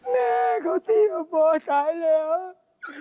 แม่เขาที่เอาโปรดตายแล้ว